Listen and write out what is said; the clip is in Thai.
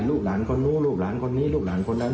ลูกหลานคนนู้นลูกหลานคนนี้ลูกหลานคนนั้น